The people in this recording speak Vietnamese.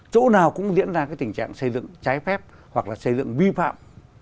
chỗ nào cũng diễn ra cái tình trạng xây dựng trái phép hoặc là xây dựng vi phạm